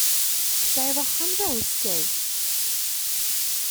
Tesɛid axxam d ahuskay.